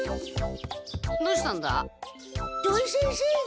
どうしたんだ？